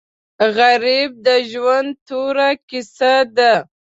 غریب د ژوند توره کیسه ده